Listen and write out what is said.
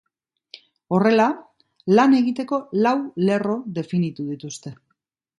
Horrela, lan egiteko lau lerro definitu dituzte.